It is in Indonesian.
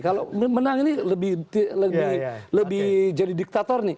kalau menang ini lebih jadi diktator nih